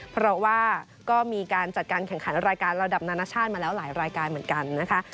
เพราะว่าก็มีการจัดการแข่งขันรายการระดับนานาชาติมาแล้วหลายรายการเหมือนกันนะคะ